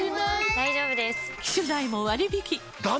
大丈夫です！